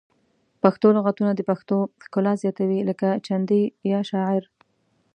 پښتو لغتونه د پښتو ښکلا زیاتوي لکه چندي یا شاعر